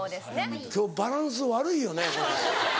今日バランス悪いよねこれ。